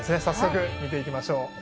早速見ていきましょう。